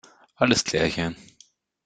Alles klärchen!